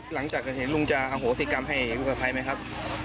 หลังจากเห็นลุงจะอโหสิกรรมให้ลูกกับใครไหมครับ